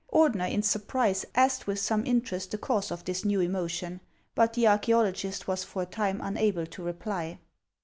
Ordener, in surprise, asked with some interest the cause of this new emotion; but the archaeologist was for a time unable to reply.